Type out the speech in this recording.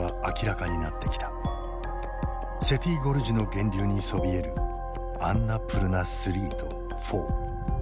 セティ・ゴルジュの源流にそびえるアンナプルナⅢとⅣ。